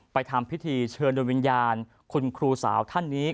ทำพิธีเชิญโดยวิญญาณคุณครูสาวท่านนี้